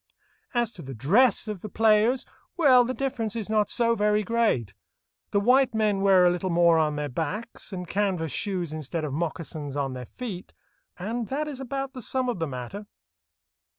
As to the dress of the players—well, the difference is not so very great. The white men wear a little more on their backs, and canvas shoes instead of moccasins on their feet, and that is about the sum of the matter.